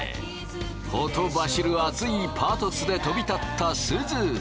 ほとばしる熱いパトスで飛び立ったすず。